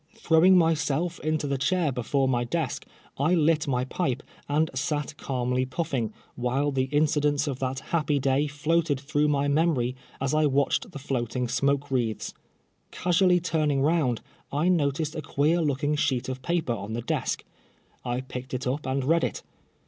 Throwing myself into the chair before my desk, I lit my pipe, and sat calmly puffing, while the incidents of that . happy day fioated through my memory as I watched the floating smoke wreaths. Casually turning round, I noticed a queer looking sheet of paper on the desk. I picked it up and read it.